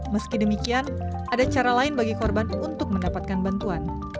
meski demikian ada cara lain bagi korban untuk mendapatkan bantuan